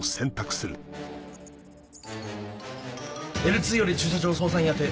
Ｌ２より駐車場捜査員宛て。